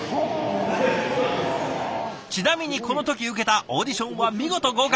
ちなみにこの時受けたオーディションは見事合格！